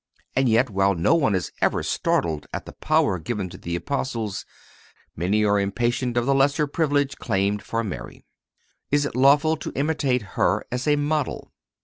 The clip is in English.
And yet, while no one is ever startled at the power given to the Apostles, many are impatient of the lesser privilege claimed for Mary. III. Is It Lawful To Imitate Her As A Model?